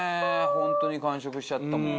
ホントに完食しちゃったもん。